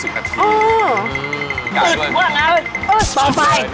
อืดอืดต่อไป